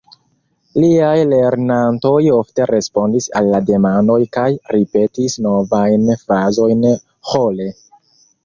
Liaj lernantoj ofte respondis al la demandoj kaj ripetis novajn frazojn ĥore.